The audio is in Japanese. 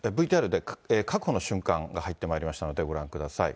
ＶＴＲで、確保の瞬間が入ってまいりましたので、ご覧ください。